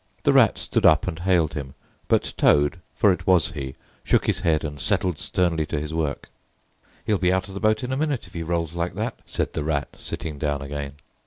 The Rat stood up and hailed him, but Toad—for it was he—shook his head and settled sternly to his work. "He'll be out of the boat in a minute if he rolls like that," said the Rat, sitting down again.